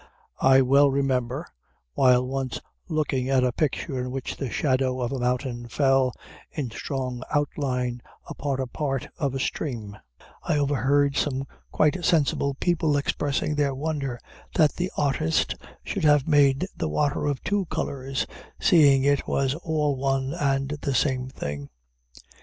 I well remember, while once looking at a picture in which the shadow of a mountain fell, in strong outline, upon a part of a stream, I overheard some quite sensible people expressing their wonder that the artist should have made the water of two colors, seeing it was all one and the same thing.